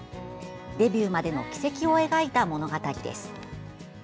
デビューまでの軌跡を描いた物語です。